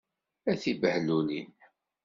A tibehlulin!